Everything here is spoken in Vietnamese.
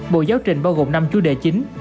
bộ giáo trình bao gồm năm chủ đề chính